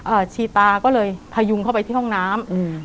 ชีตาก็เลยพยุงเข้าไปที่ห้องน้ำอืม